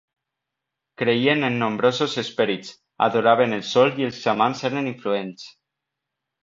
Creien en nombrosos esperits, adoraven el sol i els xamans eren influents.